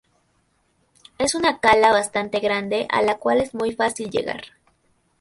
Es una cala bastante grande y a la cual es muy fácil llegar.